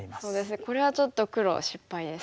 これはちょっと黒失敗ですか。